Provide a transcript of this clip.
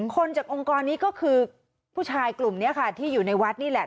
คนจากองค์กรนี้ก็คือผู้ชายกลุ่มนี้ค่ะที่อยู่ในวัดนี่แหละ